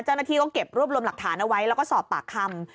เจ้าหน้าที่ก็เก็บรวบรวมหลักฐานเอาไว้แล้วก็สอบปากคำ